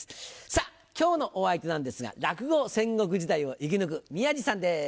さぁ今日のお相手なんですが落語戦国時代を生き抜く宮治さんです。